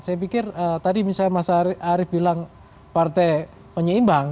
saya pikir tadi misalnya mas arief bilang partai penyeimbang